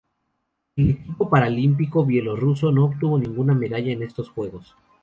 El equipo paralímpico bielorruso no obtuvo ninguna medalla en estos Juegos.